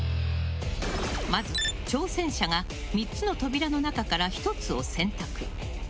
まず、挑戦者が３つの扉の中から１つを選択。